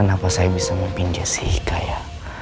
kenapa saya bisa meminja si ika ya